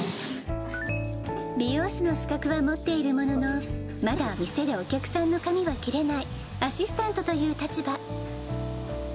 美容師の資格は持っているものの、まだ店でお客さんの髪は切れないアシスタントという立場。